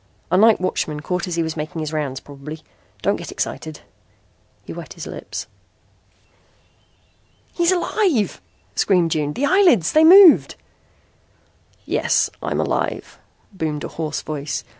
"A night watchman caught as he was making his rounds, probably. Don't get excited." He wet his lips. "He's alive!" screamed June. "The eyelids! They moved!" "Yes, I'm alive," boomed a hoarse voice.